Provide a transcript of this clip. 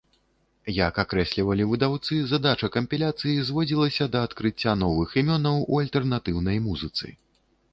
Як акрэслівалі выдаўцы, задача кампіляцыі зводзілася да адкрыцця новых імёнаў у альтэрнатыўнай музыцы.